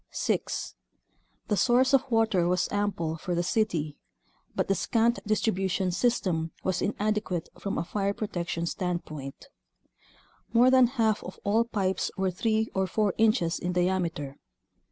6. The source of water was ample for the city, but the scant distribution system was in adequate from a fire protection standpoint. More than half of all pipes were three or four inches in diameter.